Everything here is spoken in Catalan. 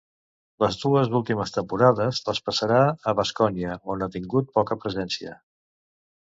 Les dues últimes temporades les passarà al Baskonia, on ha tingut poca presència.